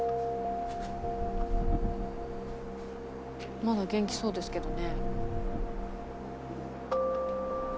「まだ元気そうですけどね」